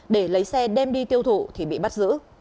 để lấy xe đem đi tiêu thụ thì bị bắt giữ